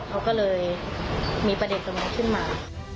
เขาก็เลยมีประเด็นตรงนี้ขึ้นมา